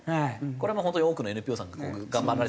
これもホントに多くのＮＰＯさんが頑張られた。